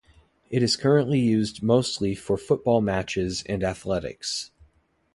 It is currently used mostly for football matches and athletics.